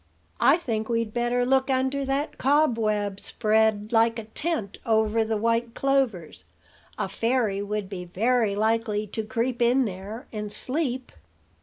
"I think we'd better look under that cobweb spread like a tent over the white clovers. A fairy would be very likely to creep in there and sleep."